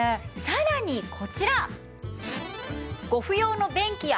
さらにこちら！